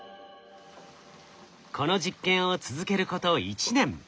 この実験を続けること１年。